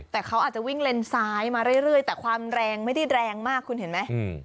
แต่เขาอาจจะวิ่งเลนซ้ายมาเรื่อยแต่ความแรงไม่ได้แรงมากคุณเห็นไหม